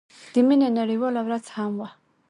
د مينې نړيواله ورځ هم وه.